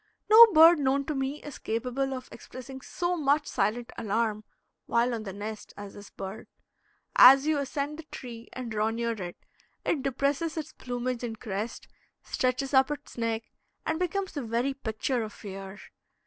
No bird known to me is capable of expressing so much silent alarm while on the nest as this bird. As you ascend the tree and draw near it, it depresses its plumage and crest, stretches up its neck, and becomes the very picture of fear.